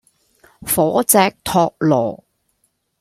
火炙托羅